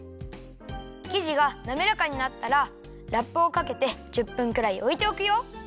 きじがなめらかになったらラップをかけて１０分くらいおいておくよ。